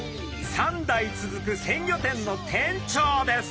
３代続く鮮魚店の店長です。